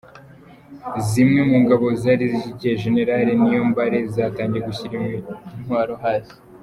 Zimwe mu ngabo zari zishyigikiye Gen Niyombare zatangiye gushyira intwaro hasi